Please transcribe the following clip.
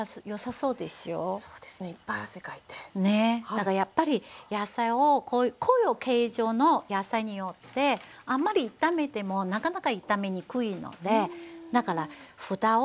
だからやっぱり野菜をこういう形状の野菜によってあんまり炒めてもなかなか炒めにくいのでだからふたを上手に使って。